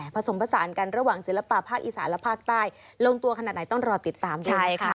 ผสมผสานกันระหว่างศิลปะภาคอีสานและภาคใต้ลงตัวขนาดไหนต้องรอติดตามด้วย